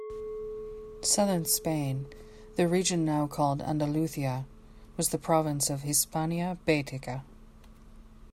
Southern Spain, the region now called Andalusia, was the province of "Hispania Baetica".